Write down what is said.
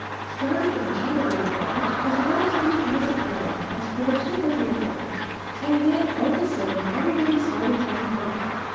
"... Started in the Chinaware Department, as a relatively innocent brawl, and spread to the Liquor Department, and then, all of a sudden, everybody started playing rough.